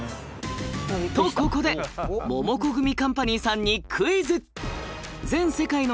とここでモモコグミカンパニーさんにクイズ！